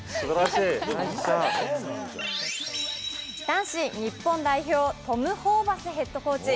男子日本代表、トム・ホーバスヘッドコーチ。